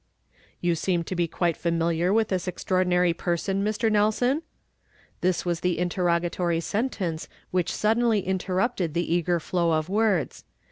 " You seem to be quite familiar with this ex traordinary pei son, Mr. Nelson?" This was the interrogatory sentence which suddenly interrupted the eager flow of words.